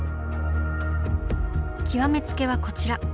極めつけはこちら。